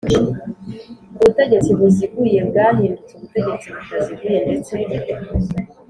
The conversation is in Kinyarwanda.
Ubutegetsi buziguye bwahindutse ubutegetsi butaziguye ndetse